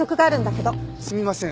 すみません